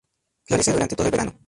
Florece durante todo el verano.